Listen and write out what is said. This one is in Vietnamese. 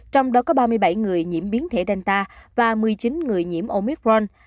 trong đó có ba mươi bảy người nhiễm biến thể danta và một mươi chín người nhiễm omicron